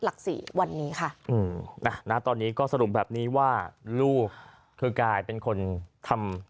หลักสี่วันนี้ค่ะอืมนะตอนนี้ก็สรุปแบบนี้ว่าลูกคือกลายเป็นคนทำ